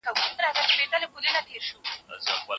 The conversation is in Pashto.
هغوی په ټولګي کې نظم او ډسپلین ساتي.